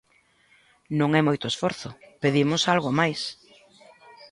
Non é moito esforzo, pedimos algo máis.